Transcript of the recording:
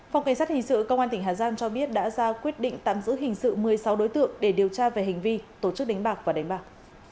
phòng cảnh sát hình sự công an tỉnh hà giang cho biết đã ra quyết định tạm giữ hình sự một mươi sáu đối tượng để điều tra về hành vi tổ chức đánh bạc và đánh bạc